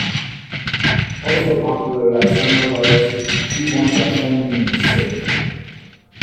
Also popular that summer was "She Want a Phensic".